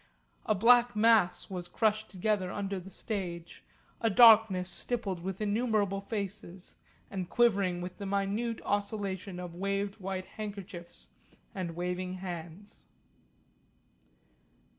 A black mass was crushed together under the stage, a darkness stippled with innumerable faces, and quivering with the minute oscillation of waved white handkerchiefs and waving hands.